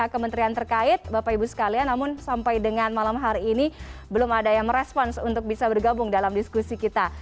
kementerian terkait bapak ibu sekalian namun sampai dengan malam hari ini belum ada yang merespons untuk bisa bergabung dalam diskusi kita